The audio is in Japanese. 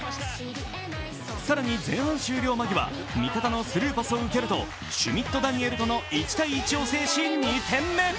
更に前半終了間際、味方のスルーパスを受けるとシュミット・ダニエルとの１対１を制し２点目。